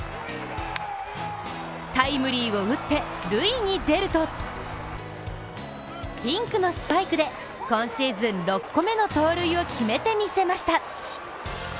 タイムリーを打って塁に出るとピンクのスパイクで今シーズン６個目の盗塁を決めてみせました。